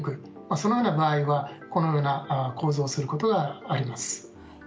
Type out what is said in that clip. そのような場合は、このような構造をすることがあります。